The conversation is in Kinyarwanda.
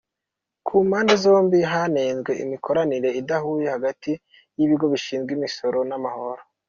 Ku mpande zombi hanenzwe imikoranire idahuye hagati y’ibigo bishinzwe imisoro n’amahoro.